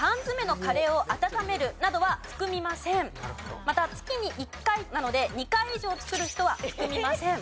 また「月に１回」なので２回以上作る人は含みません。